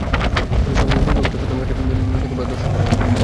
তবে সবকিছুই নির্ভর করছে প্রথম গানটি থেকে পাওয়া দর্শক সাড়ার ওপর।